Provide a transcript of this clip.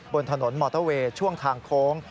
บนถนนมอเตอร์เวย์ช่วงทางโค้ง